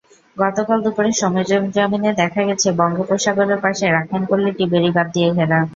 গতকাল দুপুরে সরেজমিনে দেখা গেছে, বঙ্গোপসাগরের পাশে রাখাইন পল্লিটি বেড়িবাঁধ দিয়ে ঘেরা।